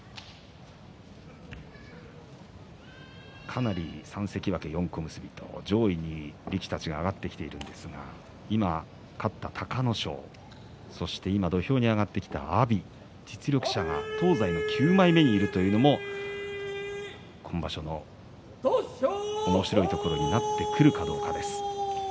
かなり３関脇、４小結上位に力士たちが上がってきてるわけですが今日、勝った隆の勝、そして今、土俵に上がった阿炎実力者が東西の９枚目にいるというのも今場所のおもしろいところになってくるかどうかです。